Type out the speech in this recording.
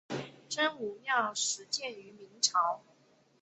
真武庙始建于明朝。